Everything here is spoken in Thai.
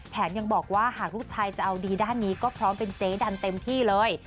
ยังบอกว่าหากลูกชายจะเอาดีด้านนี้ก็พร้อมเป็นเจ๊ดันเต็มที่เลย